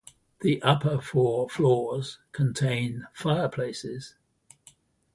The upper four floors contain fireplaces.